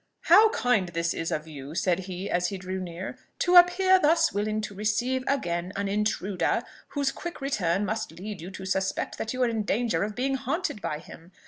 "How kind this is of you!" said he as he drew near; "to appear thus willing to receive again an intruder, whose quick return must lead you to suspect that you are in danger of being haunted by him!